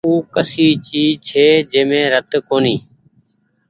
او ڪسي چئيز ڇي جي مين رت ڪونيٚ ۔